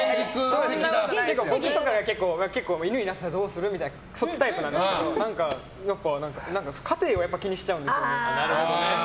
僕とかが結構犬になったらどうする？とかそっちタイプなんですけどこの子は過程を気にしちゃうんですよね。